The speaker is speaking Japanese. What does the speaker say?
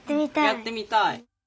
やってみたい？